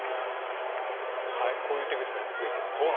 こういう手口が今、増えているんですね。